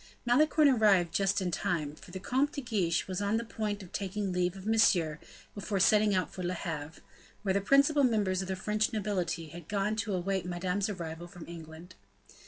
Malicorne arrived just in time, for the Comte de Guiche was on the point of taking leave of Monsieur before setting out for Le Havre, where the principal members of the French nobility had gone to await Madame's arrival from England.